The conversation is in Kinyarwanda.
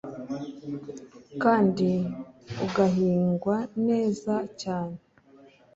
kandi ugahingwa neza cyane